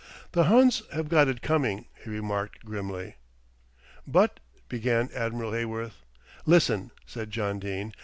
"The Huns have got it coming," he remarked grimly. "But " began Admiral Heyworth. "Listen," said John Dene.